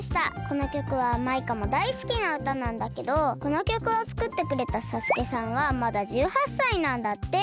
このきょくはマイカもだいすきなうたなんだけどこのきょくをつくってくれたＳＡＳＵＫＥさんはまだ１８さいなんだって。